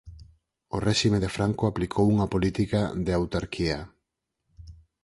O réxime de Franco aplicou unha política de autarquía.